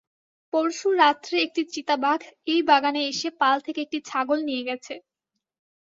পরশু রাত্রে একটি চিতাবাঘ এই বাগানে এসে পাল থেকে একটি ছাগল নিয়ে গেছে।